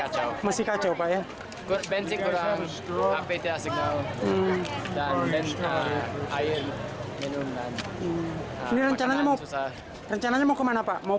bali masih kacau kacau ya benci kurang hpt signal dan bencana air minuman rencana mau kemana pak mau